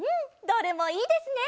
どれもいいですね！